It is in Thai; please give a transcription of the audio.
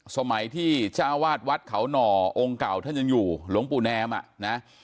สมัยที่เจ้าวาดวัดเขาหน่อองค์เก่าท่านยังอยู่หลวงปู่แนมอ่ะนะ